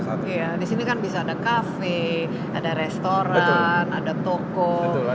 di sini kan bisa ada cafe ada restoran ada toko macam macam ya